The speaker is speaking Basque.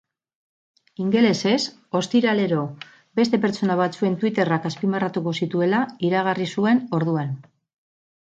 Ingelesez, ostiralero beste pertsona batzuen twitterrak azpimarratuko zituela iragarri zuen orduan.